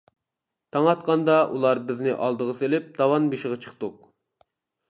تاڭ ئاتقاندا ئۇلار بىزنى ئالدىغا سېلىپ داۋان بېشىغا چىقتۇق.